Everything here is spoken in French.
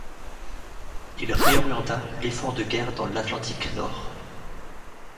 Il réorienta l'effort de guerre dans l'Atlantique Nord.